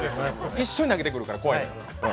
一緒に投げてくるから怖いのよ。